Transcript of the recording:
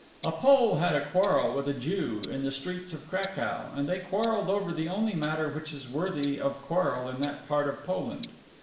A Pole had a quarrel with a Jew in the streets of Cracow, and they quarrelled over the only matter which is worthy of quarrel in that part of Poland.